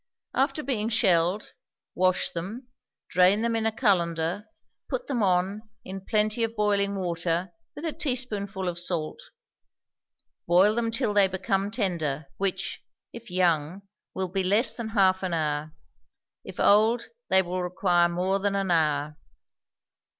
After being shelled, wash them, drain them in a cullender, put them on, in plenty of boiling water, with a teaspoonful of salt; boil them till they become tender, which, if young, will be less than half an hour; if old, they will require more than an hour.